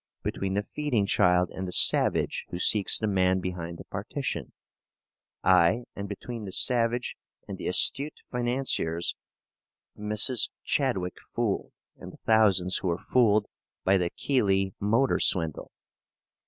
between the feeding child and the savage who seeks the man behind the partition? ay, and between the savage and the astute financiers Mrs. Chadwick fooled and the thousands who were fooled by the Keeley Motor swindle?